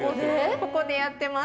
ここでやってます。